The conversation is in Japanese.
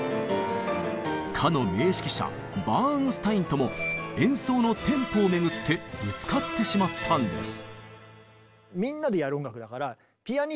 かの名指揮者バーンスタインとも演奏のテンポをめぐってぶつかってしまったんです。